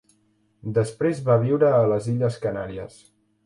Després va viure a les illes Canàries.